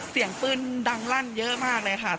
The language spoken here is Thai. เสียงปืนดังลั่นเยอะมากเลยค่ะ